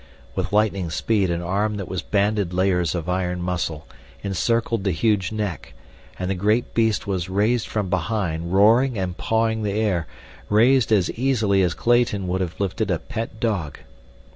With lightning speed an arm that was banded layers of iron muscle encircled the huge neck, and the great beast was raised from behind, roaring and pawing the air—raised as easily as Clayton would have lifted a pet dog.